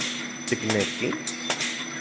Tikneki...?